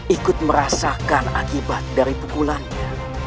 ikut merasakan akibat dari pukulannya